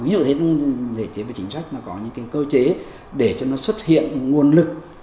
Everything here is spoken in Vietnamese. ví dụ như thế để chế về chính sách nó có những cái cơ chế để cho nó xuất hiện nguồn lực